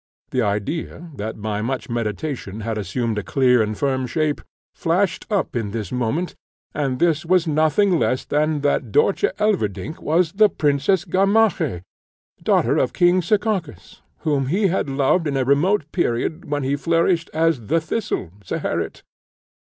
The idea, that by much meditation had assumed a clear and firm shape, flashed up in this moment, and this was nothing less than that Dörtje Elverdink was the Princess Gamaheh, daughter of King Sekakis, whom he had loved in a remote period, when he flourished as the thistle, Zeherit.